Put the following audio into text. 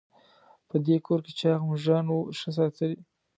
په دې کور کې چاغ مږان وو ښه تلي.